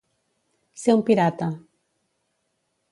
Ser un pirata.